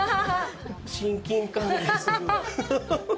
親近感がする。